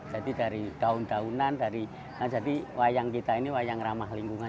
jadi dari daun daunan dari nah jadi wayang kita ini wayang ramah lingkungan